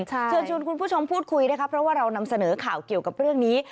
เชิญชวนคุณผู้ชมพูดคุยนะคะเพราะว่าเรานำเสนอข่าวเกี่ยวกับเรื่องนี้